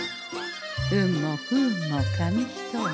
運も不運も紙一重。